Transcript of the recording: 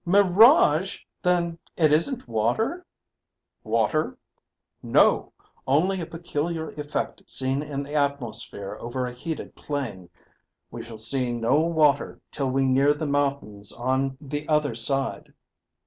"Mirage! Then it isn't water?" "Water? No; only a peculiar effect seen in the atmosphere over a heated plain. We shall see no water till we near the mountains on the other side.